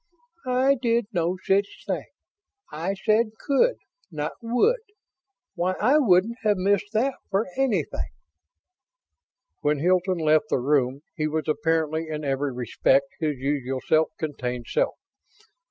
"I did no such thing. I said 'could', not 'would'. Why, I wouldn't have missed that for anything!" When Hilton left the room he was apparently, in every respect, his usual self contained self.